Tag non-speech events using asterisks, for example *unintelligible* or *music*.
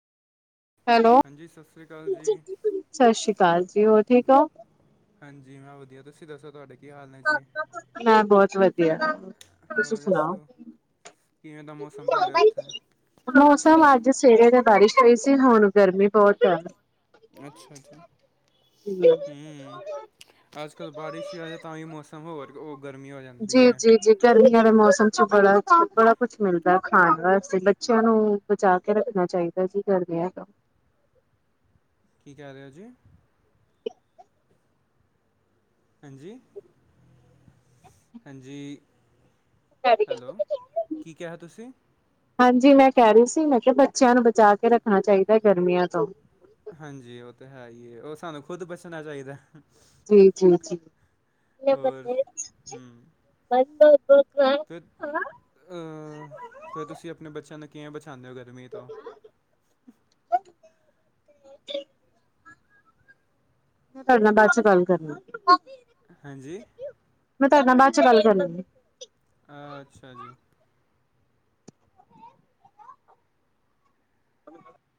Hello, ਹਾਂਜੀ ਸਤਿ ਸ਼੍ਰੀ ਅਕਾਲ ਜੀ ਸਤਿ ਸ੍ਰੀ ਅਕਾਲ ਜੀ, ਹੋਰ ਠੀਕ ਓ? ਹਾਂਜੀ, ਮੈਂ ਵਧੀਆ, ਤੁਸੀਂ ਦੱਸੋ ਤੁਹਾਡੇ ਕੀ ਹਾਲ ਨੇ ਜੀ ਮੈਂ ਬਹੁਤ ਵਧੀਆ, ਤੁਸੀਂ ਹੋਰ ਸੁਣਾਓ? ਦੱਸੋ ਕਿਵੇਂ ਦਾ ਮੌਸਮ ਤੁਹਾਡੇ ਓਥੇ? ਪਡੂਰ ਸਾਹਬ ਅੱਜ ਸਵੇਰੇ ਤੇ ਬਾਰਿਸ਼ ਪਈ ਸੀ, ਹੁਣ ਗਰਮੀ ਬੋਤ ਜਾਦਾ। ਅੱਛਾ ਜੀ, ਹੂ, ਹੂ ਅੱਜ -ਕੱਲ ਬਾਰਿਸ਼ ਵੀ ਆਜੇ ਤਾਂ ਵੀ ਮੌਸਮ ਸਗੋ ਹੋਰ ਓਹ ਗਰਮੀ ਹੋ ਜਾਂਦੀ ਜੀ, ਆ। ਜੀ, ਜੀ ਗਰਮੀਆਂ ਵਾਲੇ ਮੌਸਮ ਚ ਬੜਾ ਕੁਛ -ਬੜਾ ਕੁਛ ਮਿਲਦਾ ਖਾਣ ਵਾਸਤੇ, ਬੱਚਿਆਂ ਨੂੰ ਬਚਾ ਕੇ ਰੱਖਣਾ ਚਾਈਦਾ। ਜੀ ਕਰਦੇ ਆ ਕੰਮ। ਕੀ ਕਹਿ ਰਹੇ ਹੋ ਜੀ ਹਾਂਜੀ ਹਾਂਜੀ ਹੈਲੋ ਕੀ ਕਿਹਾ ਤੁਸੀਂ ਹਾਂਜੀ ਮੈਂ ਕਹਿ ਰਹੀ ਸੀ ਮੈਂ ਕਿਹਾ ਬੱਚਿਆਂ ਨੂੰ ਬਚਾ ਕੇ ਰੱਖਣਾ ਚਾਹੀਦਾ ਗਰਮੀਆਂ ਤੋਂ ਹਾਂਜੀ ਉਹ ਤੇ ਹੈ ਹੀ ਉਹ ਸਾਨੂੰ ਖੁਦ ਬਚਣਾ ਚਾਹੀਦਾ ਜੀ ਜੀ ਜੀ ਹੋਰ ਹੂੰ ਬ *unintelligible* ਅ ਫਿਰ ਤੁਸੀਂ ਆਪਣੇ ਬੱਚਿਆਂ ਨੂੰ ਕਿਵੇ ਬਛਾਉਂਦੇ ਹੋ ਗਰਮੀਆਂ ਤੋਂ *inaudible* ਮੈਂ ਤੁਹਾਡੇ ਨਾਲ ਬਾਅਦ 'ਚੋਂ ਗੱਲ ਕਰਨੀ ਹਾਂਜੀ ਮੈਂ ਤੁਹਾਡੇ ਨਾਲ ਬਾਅਦ 'ਚੋਂ ਗੱਲ ਕਰਾਂਗੀ ਆ ਅੱਛਾ ਜੀ *inaudible*